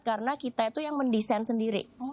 karena kita itu yang mendesain sendiri